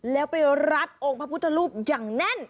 แล้วไปรัดองค์พระพุทธรูปอย่างแน่น